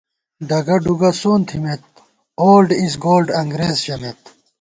ڈگہ ڈُوگہ سون تھِمېت “اولڈ اِز گولڈ” انگرېز ژَمېت